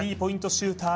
シューター